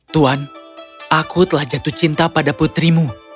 tuan aku telah jatuh cinta pada putrimu